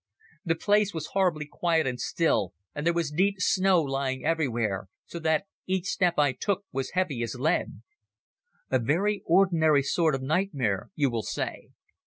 The place was horribly quiet and still, and there was deep snow lying everywhere, so that each step I took was heavy as lead. A very ordinary sort of nightmare, you will say.